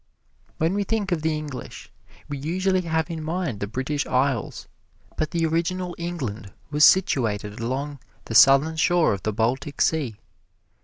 When we think of the English, we usually have in mind the British Isles. But the original England was situated along the southern shore of the Baltic Sea.